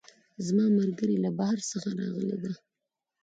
زما ملګرۍ له بهر څخه راغلی ده